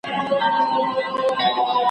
محصلین کولای سي په دې څانګه کې ډېر څه زده کړي.